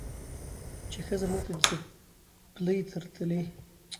چې ښځه موږ ته د څپلۍ تر تلي